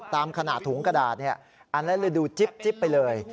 ตามขนาดถุงกระดาษอันนั้นเลยดูจิ๊บไปเลย